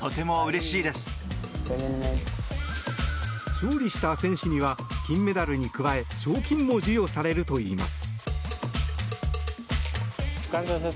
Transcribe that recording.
勝利した戦士には金メダルに加え賞金も授与されるといいます。